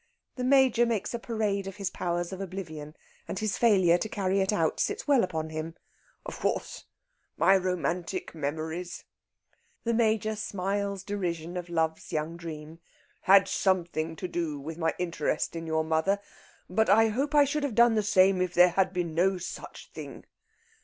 The Major makes a parade of his powers of oblivion, and his failure to carry it out sits well upon him. "Of course, my romantic memories" the Major smiles derision of Love's young dream "had something to do with my interest in your mother, but I hope I should have done the same if there had been no such thing.